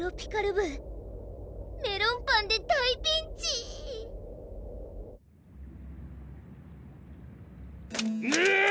部メロンパンで大ピンチぬおぉ！